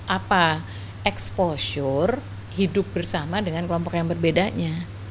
apa exposure hidup bersama dengan kelompok yang berbedanya